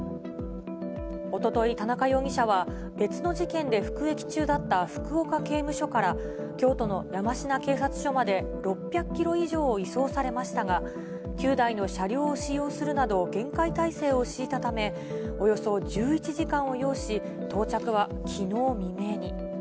おととい、田中容疑者は、別の事件で服役中だった福岡刑務所から、京都の山科警察署まで６００キロ以上を移送されましたが、９台の車両を使用するなど厳戒態勢を敷いたため、およそ１１時間を要し、到着はきのう未明に。